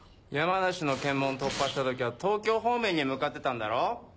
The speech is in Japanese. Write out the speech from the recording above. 山梨の検問を突破した時は東京方面に向かってたんだろ？